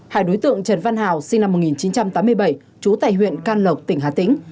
hai đối tượng trần văn hào sinh năm một nghìn chín trăm tám mươi bảy trú tại huyện can lộc tỉnh hà tĩnh